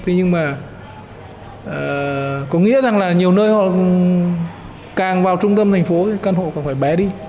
thế nhưng mà có nghĩa rằng là nhiều nơi họ càng vào trung tâm thành phố căn hộ càng phải bé đi